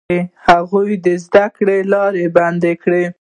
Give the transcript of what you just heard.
هغوی د زده کړو لاره بنده کړه.